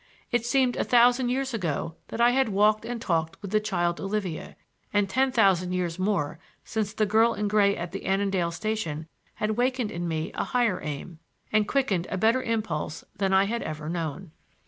It seemed a thousand years ago that I had walked and talked with the child Olivia; and ten thousand years more since the girl in gray at the Annandale station had wakened in me a higher aim, and quickened a better impulse than I had ever known.